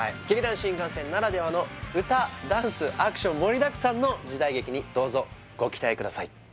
劇団☆新感線ならではの歌ダンスアクション盛りだくさんの時代劇にどうぞご期待ください